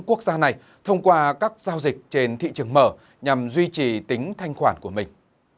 quốc gia này thông qua các giao dịch trên thị trường mở nhằm duy trì tính thanh khoản của mình